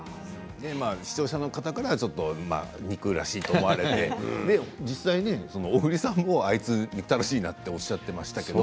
視聴者の方からはちょっと憎らしいと思われて実際、小栗さんもあいつ憎たらしいなとおっしゃっていましたけど